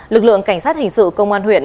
lực lượng cảnh sát hình sự công an huyện